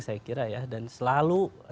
saya kira ya dan selalu